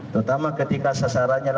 terutama ketika sasarannya